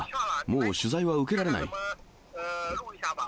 もう取材は受けられない。